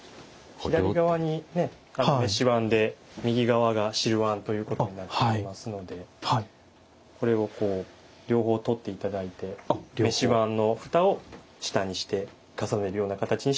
左側に飯碗で左側が汁碗ということになっておりますのでこれをこう両方取って頂いて飯碗の蓋を下にして重ねるような形にしてこう右側に置いて頂ければ。